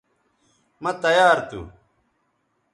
مہ تیار تھو